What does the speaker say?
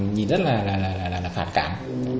nhìn rất là phản cảm